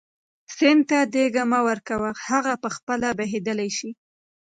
سیند ته دیکه مه ورکوه هغه په خپله بهېدلی شي.